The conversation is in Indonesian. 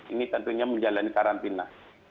ini tentunya menjalani karantina